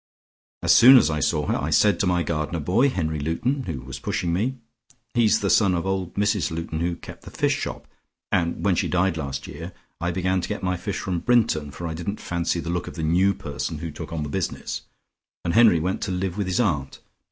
As soon as I saw her I said to my gardener boy, Henry Luton, who was pushing me he's the son of old Mrs Luton who kept the fish shop, and when she died last year, I began to get my fish from Brinton, for I didn't fancy the look of the new person who took on the business, and Henry went to live with his aunt.